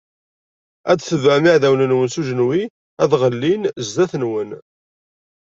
Ad tebɛem iɛdawen-nwen s ujenwi, ad ɣellin zdat-nwen.